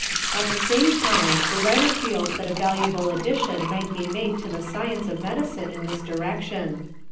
At the same time the writer feels that a valuable addition might be made to the science of medicine in this direction.